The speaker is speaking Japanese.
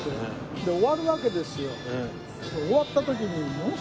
で終わるわけですよ。